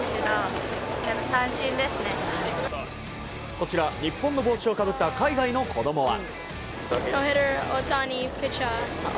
こちら日本の帽子をかぶった海外の子供は。